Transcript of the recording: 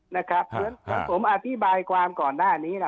นะครับถ้าผมอธิบายความก่อนหน้านี้นะ